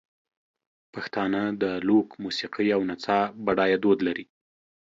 پښتانه د لوک موسیقۍ او نڅا بډایه دود لري.